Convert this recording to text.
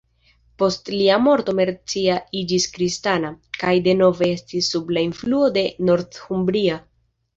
Post lia morto Mercia iĝis kristana, kaj denove estis sub la influo de Northumbria.